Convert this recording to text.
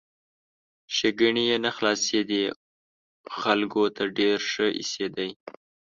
ښېګڼې یې نه خلاصېدې ، خلکو ته ډېر ښه ایسېدی!